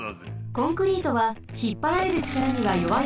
コンクリートはひっぱられるちからにはよわいですが。